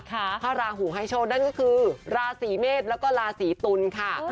พระราหูให้โชคนั่นก็คือราศีเมษแล้วก็ราศีตุลค่ะ